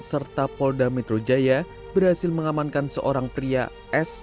serta pol dajabar berhasil mengamankan seorang pria s